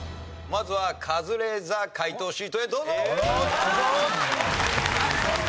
まずはカズレーザー解答シートへどうぞ！